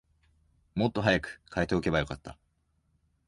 もっと早く替えておけばよかった